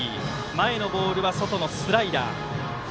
前のボールは外のスライダー。